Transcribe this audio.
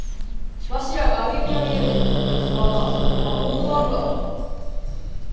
わしらが歩み寄りゆうに若様は断るがか？